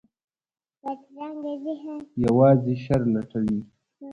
بدرنګه ذهن یوازې شر لټوي